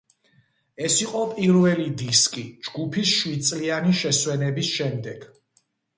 ეს იყო პირველი დისკი ჯგუფის შვიდწლიანი შესვენების შემდეგ.